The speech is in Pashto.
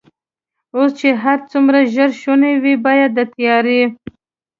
اوس چې هر څومره ژر شونې وي، باید د تیارې.